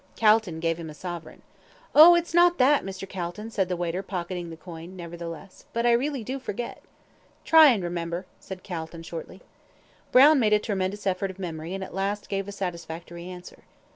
Calton gave him a sovereign. "Oh! it's not that, Mr. Calton," said the waiter, pocketing the coin, nevertheless. "But I really do forget." "Try and remember," said Calton, shortly. Brown made a tremendous effort of memory, and at last gave a satisfactory answer.